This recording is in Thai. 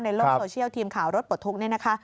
ในโลกโซเชียลทีมข่าวรถปลดทุกข์เนี่ยนะคะ